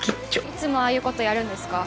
いつもああいう事やるんですか？